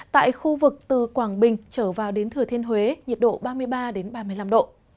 tại khu vực từ quảng bình trở vào đến thừa thiên huế nhiệt độ ba mươi ba ba mươi năm độ